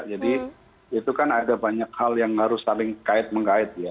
jadi itu kan ada banyak hal yang harus saling kait mengkait